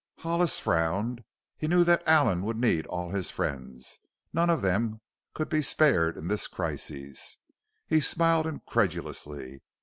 Hollis frowned. He knew that Allen would need all his friends; none of them could be spared in this crisis. He smiled incredulously.